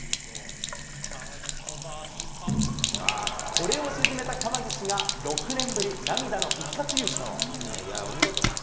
これを沈めた川岸が、６年ぶり、涙の復活優勝。